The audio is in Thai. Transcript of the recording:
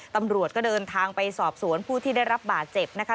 ตำรวจก็เดินทางไปสอบสวนผู้ที่ได้รับบาดเจ็บนะคะ